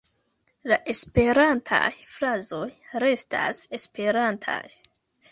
La esperantaj frazoj restas esperantaj.